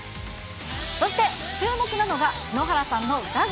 そして注目なのが、篠原さんの歌声。